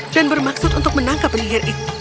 dan bermaksud untuk menangkap penyihir itu